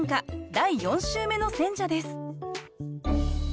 第４週目の選者です